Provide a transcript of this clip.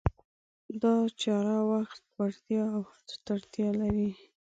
دا چاره وخت، وړتیا او هڅو ته اړتیا لري.